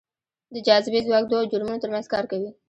د جاذبې ځواک دوو جرمونو ترمنځ کار کوي.